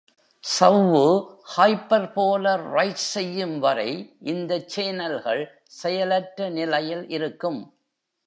சவ்வு ஹைப்பர்போலரைஸ் செய்யும் வரை இந்த சேனல்கள் செயலற்ற நிலையில் இருக்கும்.